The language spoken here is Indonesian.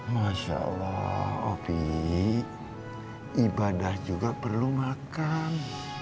masya'allah opi ibadah juga perlu makan